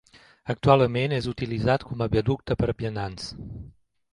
Actualment és utilitzat com a viaducte per a vianants.